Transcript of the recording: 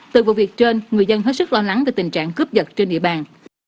từ vụ việc trên người dân hết sức lo lắng về tình trạng cướp giật trên địa bàn